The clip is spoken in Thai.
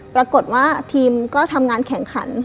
ปรากฏว่าทีมก็ทำงานแข่งขัน